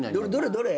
どれ？